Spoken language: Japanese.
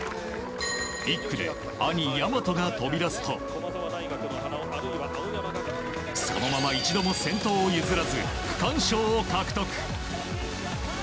１区で、兄・大和が飛び出すとそのまま一度も先頭を譲らず区間賞を獲得。